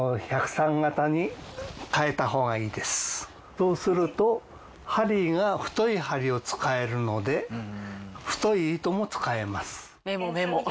そうすると針が太い針を使えるので太い糸も使えます。